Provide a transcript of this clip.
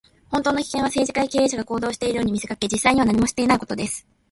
本当の危険は、政治家や経営者が行動しているように見せかけ、実際には何もしていないことです。